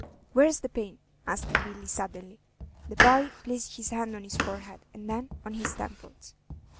"Where's the pain?" asked Billy, suddenly. The boy placed his hand on his forehead, and then on his temples.